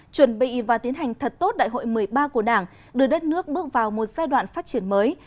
chuẩn bị và tiến hành thật tốt đại hội một mươi ba của đảng đưa đất nước bước vào một giai đoạn phát triển mới